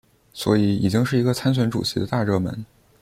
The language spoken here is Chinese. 所以已经是一个参选主席的大热门。